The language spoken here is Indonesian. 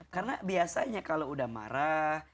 karena biasanya kalau udah marah